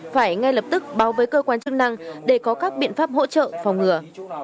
phải ngay lập tức báo với cơ quan chức năng để có các biện pháp hỗ trợ phòng ngừa